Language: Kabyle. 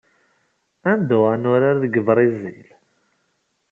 Ad neddu ad nurar deg Brizil.